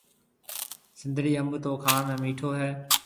سنڌڙِي انڀ تو کاڻ ۾ مِٺو هيَ۔